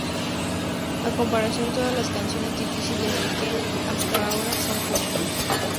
En comparación, todas las canciones difíciles de Ken hasta ahora son comunes".